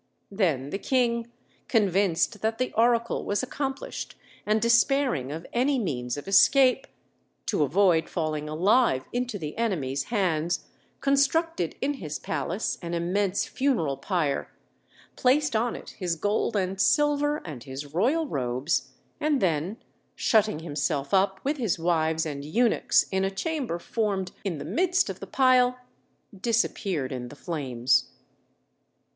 Then the King, convinced that the oracle was accomplished and despairing of any means of escape, to avoid falling alive into the enemy's hands constructed in his palace an immense funeral pyre, placed on it his gold and silver and his royal robes, and then, shutting himself up with his wives and eunuchs in a chamber formed in the midst of the pile, disappeared in the flames.